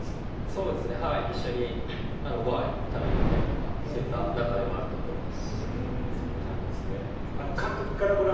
そうですね、一緒にごはん食べに行ったりとか、そういった仲ではあると思います。